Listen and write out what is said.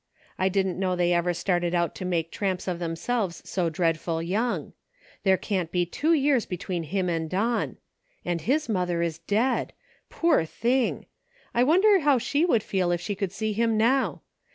I didn't know they ever started out to make tramps of themselves so dreadful young; there can't be two years between him and Don. And his mother is dead. Poor thing! I wonder how she would feel if she could see him now